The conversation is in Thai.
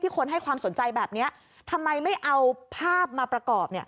คนให้ความสนใจแบบนี้ทำไมไม่เอาภาพมาประกอบ